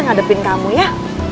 ngadepin kamu ya